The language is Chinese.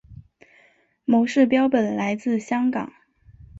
模式标本来自香港。